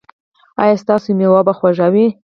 ایا ستاسو میوه به خوږه وي؟